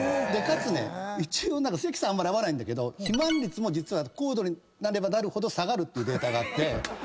かつね一応関さんあんまり合わないんだけど肥満率も実は高度になればなるほど下がるというデータがあって。